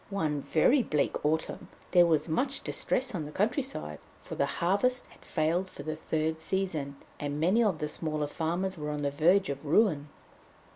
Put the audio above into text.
One very bleak autumn there was much distress on the countryside, for the harvest had failed for the third season, and many of the smaller farmers were on the verge of ruin.